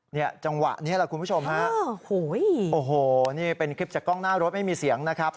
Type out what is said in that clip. จังหวะนี้แหละคุณผู้ชมฮะโอ้โหนี่เป็นคลิปจากกล้องหน้ารถไม่มีเสียงนะครับ